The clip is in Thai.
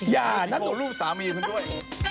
อย่านะดูรูปสามีคุณด้วย